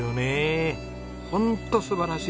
ホント素晴らしいですね。